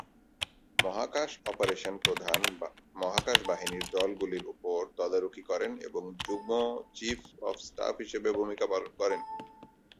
মহাকাশ অপারেশন প্রধান মহাকাশ বাহিনীর দলগুলির উপর তদারকি করেন এবং যুগ্ম চিফ অফ স্টাফ হিসাবে ভূমিকা পালন করেন।